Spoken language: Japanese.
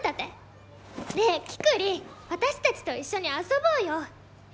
ねえキクリン私たちと一緒に遊ぼうよ。